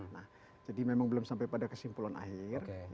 nah jadi memang belum sampai pada kesimpulan akhir